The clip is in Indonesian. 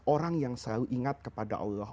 orang yang selalu ingat kepada allah